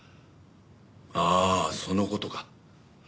ああその事か。